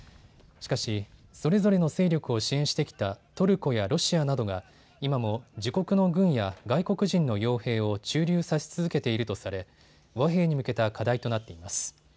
しかしそれぞれの勢力を支援してきたトルコやロシアなどが今も自国の軍や外国人のよう兵を駐留させ続けているとされ和平に向けた課題となっています。